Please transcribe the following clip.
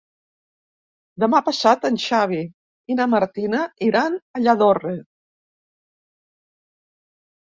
Demà passat en Xavi i na Martina iran a Lladorre.